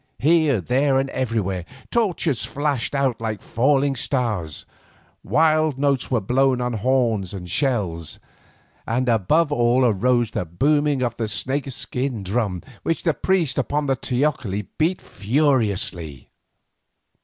Here, there, and everywhere torches flashed out like falling stars, wild notes were blown on horns and shells, and above all arose the booming of the snakeskin drum which the priests upon the teocalli beat furiously.